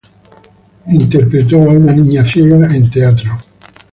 Interpretó a una niña ciega en teatro.